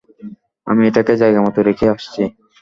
আমি এটাকে জায়গামতো রেখে আসছি।